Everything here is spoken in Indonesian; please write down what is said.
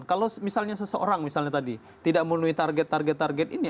kalau misalnya seseorang misalnya tadi tidak memenuhi target target target ini